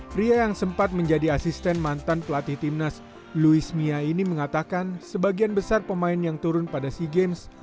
pria yang sempat menjadi asisten mantan pelatih timnas luis mia ini mengatakan sebagian besar pemain yang turun pada sea games